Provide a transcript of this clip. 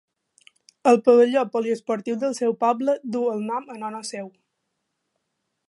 El pavelló poliesportiu del seu poble duu el nom en honor seu.